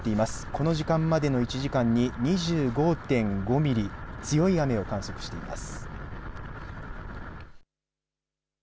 この時間までの１時間に２５．５ミリ強い雨を観測しています。